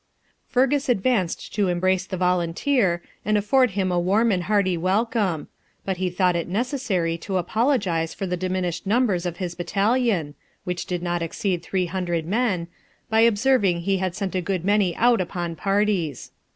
Fergus advanced to embrace the volunteer, and afford him a warm and hearty welcome; but he thought it necessary to apologize for the diminished numbers of his battalion (which did not exceed three hundred men) by observing he had sent a good many out upon parties.